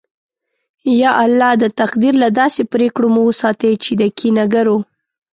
یا الله! د تقدیر له داسې پرېکړو مو وساتې چې د کینه گرو